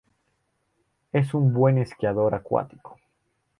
Es un buen esquiador acuático.